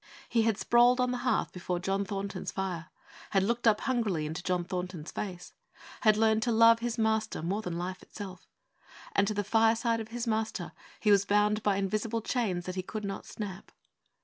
He had sprawled on the hearth before John Thornton's fire; had looked up hungrily into John Thornton's face; had learned to love his master more than life itself; and to the fireside of his master he was bound by invisible chains that he could not snap.